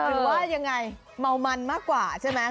หรือว่ายังไงเมามันมากกว่าใช่ไหม